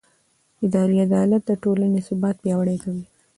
اداري عدالت د ټولنې ثبات پیاوړی کوي.